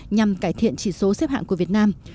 nhằm cải thiện chỉ số xếp hạng của việt nam